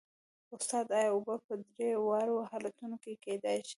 استاده ایا اوبه په درې واړو حالتونو کې کیدای شي